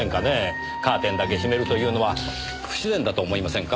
カーテンだけ閉めるというのは不自然だと思いませんか？